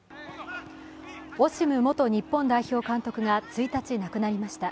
オシム元日本代表監督が１日、亡くなりました。